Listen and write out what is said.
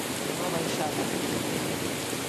Unha baixada, un quilo.